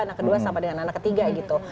anak kedua sama dengan anak ketiga gitu